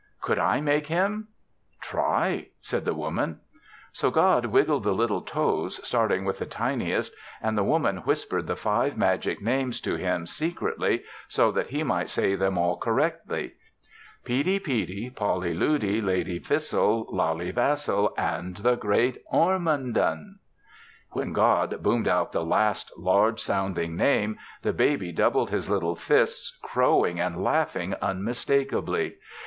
"Could I make him?" "Try," said the Woman. So God wiggled the little toes, starting with the tiniest, and the Woman whispered the five magic names to Him secretly so that He might say them all correctly. "Peedy Peedy. Polly Loody. Lady Fissle. Lally Vassal. And the Great Ormondon." When God boomed out the last large sounding name, the baby doubled his little fists, crowing and laughing unmistakably.